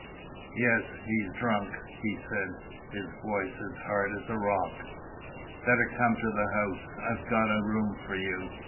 "Yes, he's drunk," he said, his voice as hard as a rock. "Better come to the house. I've got a room for you.